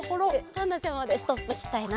パンダちゃまでストップしたいな。